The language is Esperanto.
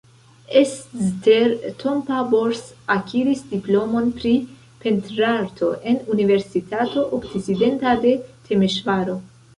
Eszter Tompa-Bors akiris diplomon pri pentrarto en Universitato Okcidenta de Temeŝvaro.